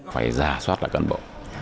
phải giả soát là cán bộ